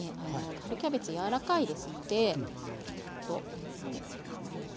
春キャベツ柔らかいですのでちょっと。